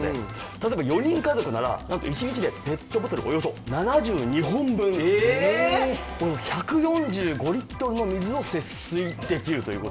例えば４人家族ならなんと１日でペットボトルおよそ７２本分１４５リットルの水を節水できるという事。